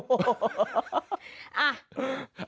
โอ้โห